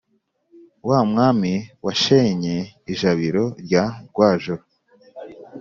wa mwami washenye ijabiro rya rwajoro.